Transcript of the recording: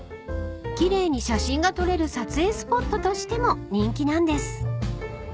［奇麗に写真が撮れる撮影スポットとしても人気なんです］